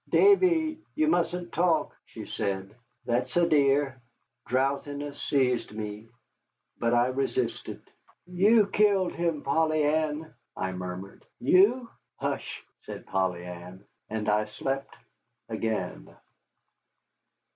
"Davy, ye mustn't talk," she said; "that's a dear." Drowsiness seized me. But I resisted. "You killed him, Polly Ann," I murmured, "you?" "Hush," said Polly Ann. And I slept again.